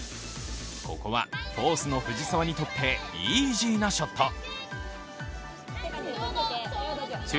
ここはフォースの藤澤にとって、イージーなショット。